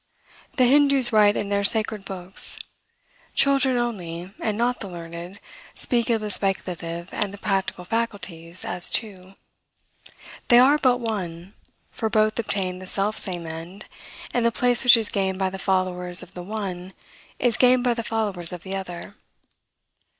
The Hindoos write in their sacred books, "Children only, and not the learned, speak of the speculative and the practical faculties as two. They are but one, for both obtain the selfsame end, and the place which is gained by the followers of the one is gained by the followers of the other.